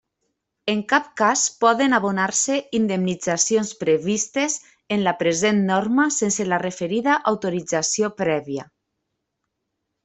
En cap cas poden abonar-se indemnitzacions previstes en la present norma sense la referida autorització prèvia.